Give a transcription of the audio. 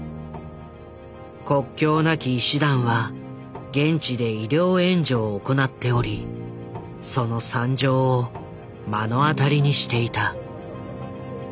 国境なき医師団は現地で医療援助を行っておりその惨状を目の当たりにしていた。